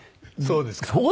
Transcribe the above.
そうですか？